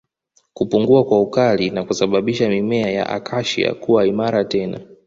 Kupungua kwa ukali na kusababisha mimea ya Acacia kuwa imara tena